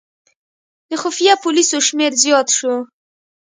د خفیه پولیسو شمېر زیات شو.